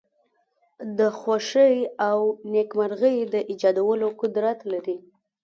د خوښۍ او نېکمرغی د ایجادولو قدرت لری.